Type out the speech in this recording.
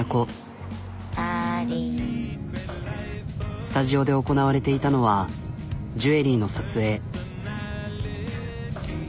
スタジオで行なわれていたのはジュエリーの撮影。